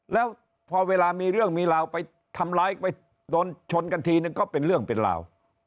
แล้วพอเวลามีเรื่องมีราวไปทำร้ายไปโดนชนกันทีนึงก็เป็นเรื่องเป็นราว